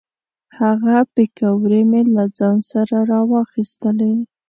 هغه پیکورې مې له ځان سره را واخیستلې.